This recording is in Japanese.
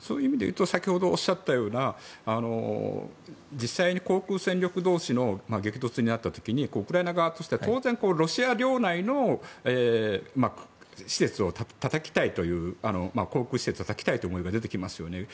そういう意味ですと先ほどおっしゃったような実際に航空戦略同士の激突になった時にウクライナ側としては当然、ロシア領内の航空施設をたたきたいという思いが出てきますよね。